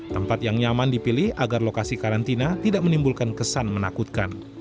tempat yang nyaman dipilih agar lokasi karantina tidak menimbulkan kesan menakutkan